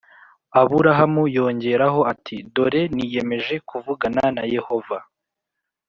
Aburahamu yongeraho ati dore niyemeje kuvugana na Yehova